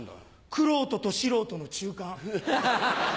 玄人と素人の中間。